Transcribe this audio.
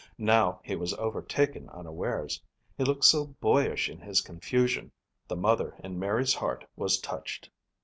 Now, he was overtaken unawares. He looked so boyish in his confusion, the mother in Mary's heart was touched.